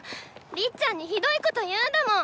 りっちゃんにひどいこと言うんだもん！